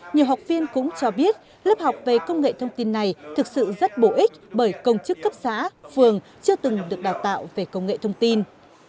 nhiều học viên cũng cho biết lớp học về công nghệ thông tin này thực sự rất bổ ích bởi công chức cấp xã phường chưa từng được đào tạo về công nghệ thông tin